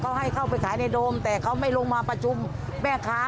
เขาให้เข้าไปขายในโดมแต่เขาไม่ลงมาประชุมแม่ค้า